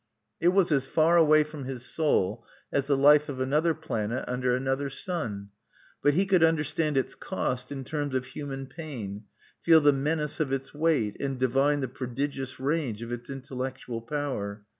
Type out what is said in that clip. It was as far away from his soul as the life of another planet under another sun. But he could understand its cost in terms of human pain, feel the menace of its weight, and divine the prodigious range of its intellectual power.